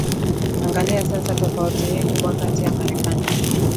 Angalia sasa tofauti hii kubwa kati ya Marekani